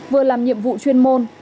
vừa làm nhiệm vụ chuyên môn